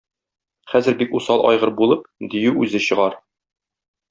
Хәзер бик усал айгыр булып, дию үзе чыгар.